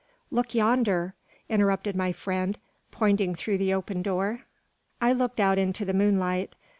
look yonder!" interrupted my friend, pointing through the open door. I looked out into the moonlight.